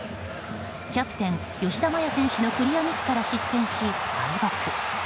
キャプテン、吉田麻也選手のクリアミスから失点し、敗北。